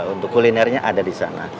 untuk kulinernya ada di sana